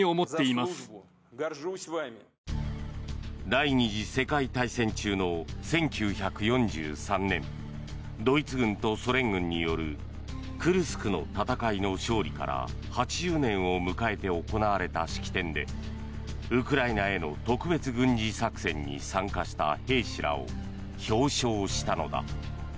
第２次世界大戦中の１９４３年ドイツ軍とソ連軍によるクルスクの戦いの勝利から８０年を迎えて行われた式典でウクライナへの特別軍事作戦に参加した兵士らを表彰したのだ。